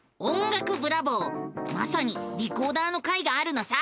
まさにリコーダーの回があるのさ！